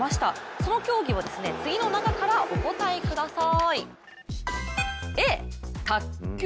その競技を次の中からお答えください。